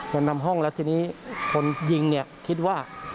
นำห้องแล้วทีนี้คนยิงเนี่ยคิดว่า